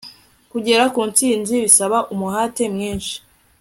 Kugera kuntsinzi bisaba umuhate mwinshi